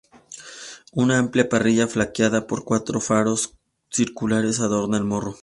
Una amplia parrilla flanqueada por cuatro faros circulares adorna el morro.